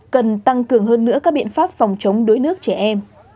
cần tăng cường hơn nữa các biện pháp phòng chống đuối nước trẻ em